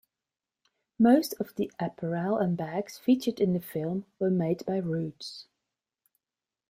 Most of the apparel and bags featured in the film were made by Roots.